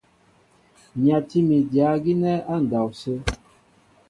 Nyatí mi dyǎ gínɛ́ á ndɔw sə.